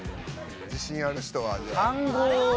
自信ある人は。